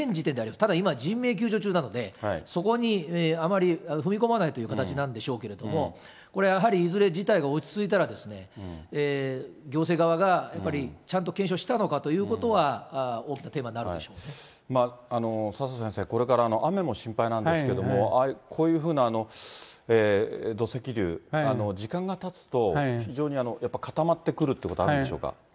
ただ、今は人命救助中なので、そこにあまり踏み込まないという形なんでしょうけれども、これやはり、いずれ事態が落ち着いたらですね、行政側がやっぱり、ちゃんと検証したのかということは、佐々先生、これから雨も心配なんですけれども、こういうふうな土石流、時間がたつと、非常にやっぱ固まってくるということはあるんでしょうか？